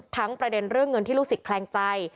ประเด็นเรื่องเงินที่ลูกศิษย์แคลงใจ